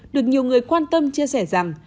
được nhiều người quan tâm chia sẻ rằng